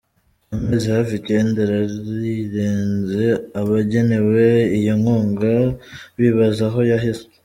Amezi hafi icyenda arirenze, abagenewe iyo nkunga bibaza aho yaheze.